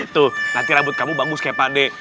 tuh nanti rambut kamu bagus kayak pak deh